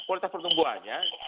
kualitas pertumbuhan ya